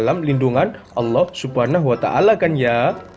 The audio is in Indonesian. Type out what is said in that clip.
dalam lindungan allah subhanahu wa ta'ala kan ya